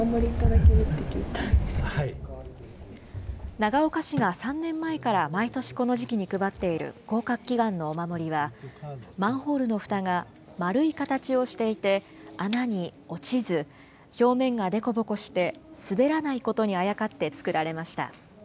長岡市が３年前から毎年この時期に配っている、合格祈願のお守りは、マンホールのふたが円い形をしていて、穴に落ちず、表面が凸凹して、滑らないことにあやかって作られました。